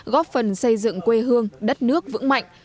góp phần xây dựng quê hương đất nước vững mạnh